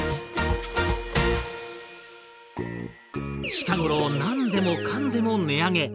近頃何でもかんでも値上げ。